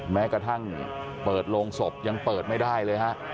แม้กระทั่งเปิดโรงศพยังเปิดไม่ได้เลยฮะ